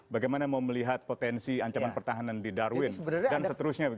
bagaimana mau melihat potensi ancaman pertahanan di darwin dan seterusnya